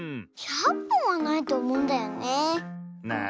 １００ぽんはないとおもうんだよねえ。